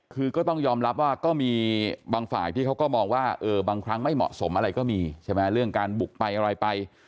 คือก็ต้องยอมรับว่าก็มีบางฝ่ายที่เขาก็มองว่าบางครั้งไม่เหมาะสมอะไรก็มีใช่ไหมเรื่องการบุกไปอะไรไป